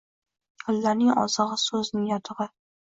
Jonlarning ozig’i — so’zning yotig’i